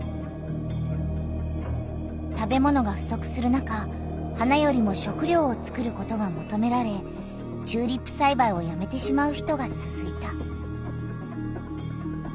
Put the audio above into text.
食べ物がふそくする中花よりも食りょうをつくることがもとめられチューリップさいばいをやめてしまう人がつづいた。